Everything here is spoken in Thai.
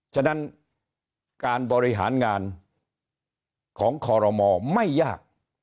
ฉะนั้นการบริหารงานของคอรมอไม่ยาก